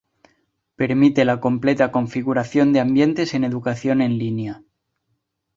Permite la completa configuración de ambientes de educación en línea.